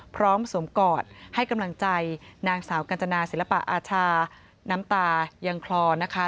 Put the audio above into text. สวมกอดให้กำลังใจนางสาวกัญจนาศิลปะอาชาน้ำตายังคลอนะคะ